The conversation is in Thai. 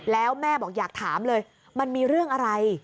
แล้วแม่บอกอยากถามเลยมันมีเรื่องอะไร